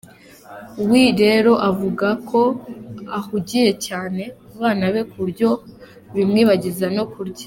we rero akavuga ko ahugiye cyane ku bana be ku buryo bimwibagiza no kurya.